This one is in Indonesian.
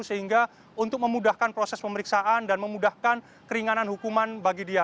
sehingga untuk memudahkan proses pemeriksaan dan memudahkan keringanan hukuman bagi dia